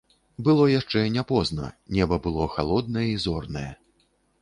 Было яшчэ не позна, неба было халоднае і зорнае.